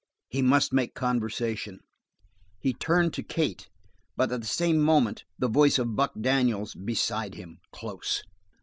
He must make conversation; he turned to Kate, but at the same moment the voice of Buck Daniels beside him, close.